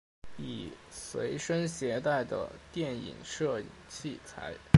以隨身攜帶的電影攝影器材